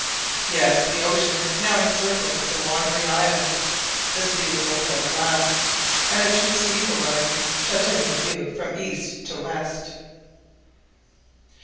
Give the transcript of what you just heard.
Yes, the ocean now encircled the wandering island, the sea was open at last, and a true sea horizon shut in the view from east to west.